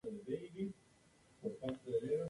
Se dedicó a la docencia y a la investigación.